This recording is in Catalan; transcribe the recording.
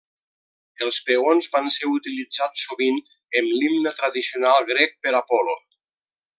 Els peons van ser utilitzats sovint en l'himne tradicional grec per Apol·lo.